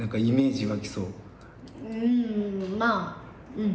うん。